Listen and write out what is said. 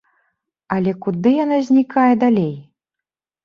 Але куды яна знікае далей?